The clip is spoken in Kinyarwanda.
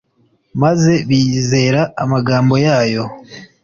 Maze bizera amagambo yayo